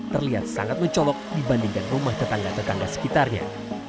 terlihat sangat mencolok dibandingkan rumah tetangga tetangga sekitarnya